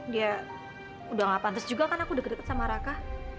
dia tidak pantas juga karena saya sudah dekat dengan raka